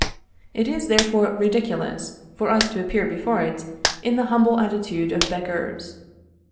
It is therefore ridiculous for us to appear before it in the humble attitude of beggars.